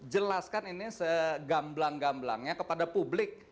jelaskan ini segamblang gamblangnya kepada publik